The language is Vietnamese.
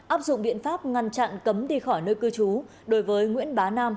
áp dụng biện pháp ngăn chặn cấm đi khỏi nơi cư trú đối với nguyễn bá nam